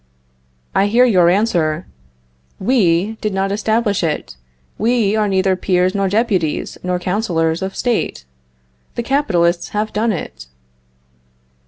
I hear your answer: We did not establish it. We are neither Peers nor Deputies, nor Counselors of State. The capitalists have done it.